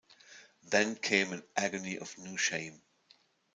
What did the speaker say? Then came an agony of new shame.